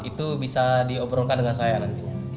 itu bisa diobrolkan dengan saya nantinya